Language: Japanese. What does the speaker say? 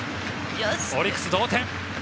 オリックス同点。